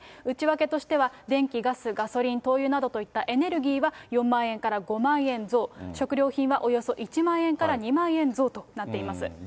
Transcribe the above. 内訳としては、電気、ガス、ガソリン、灯油などといったエネルギーは４万円から５万円増、食料品はおよそ１万円から２万円増となっています。